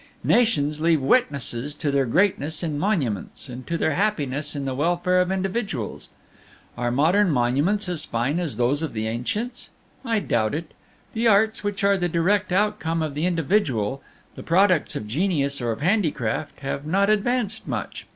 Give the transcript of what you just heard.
"Nations leave witnesses to their greatness in monuments, and to their happiness in the welfare of individuals. Are modern monuments as fine as those of the ancients? I doubt it. The arts, which are the direct outcome of the individual, the products of genius or of handicraft, have not advanced much.